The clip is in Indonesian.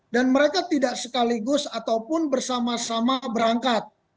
mereka tidak sekaligus ataupun bersama sama berangkat